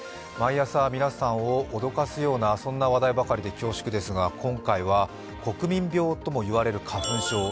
毎朝皆さんを脅かすような話題ばかりで恐縮ですが、今回は国民病とも言われる花粉症。